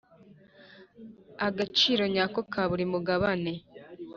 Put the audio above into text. agaciro nyako ka buri mugabane